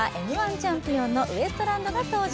チャンピオンのウエストランドさんが登場。